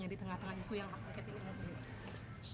jadi di tengah tengah isu yang pak pak ket ini mau beri